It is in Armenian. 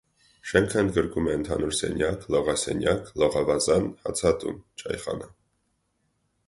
Շենքն ընդգրկում է ընդհանուր սենյակ, լողասենյակ, լողավազան, հացատուն (չայխանա)։